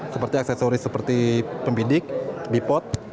seperti aksesoris seperti pemidik bipod